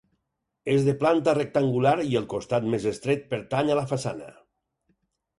És de planta rectangular i el costat més estret pertany a la façana.